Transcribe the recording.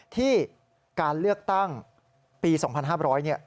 ที่การเลือกตั้งปี๒๕๐๐เนี่ย